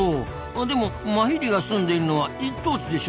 でもマヒリが住んでるのは一等地でしょ。